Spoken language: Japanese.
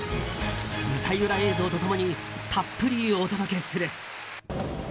舞台裏映像と共にたっぷりお届けする。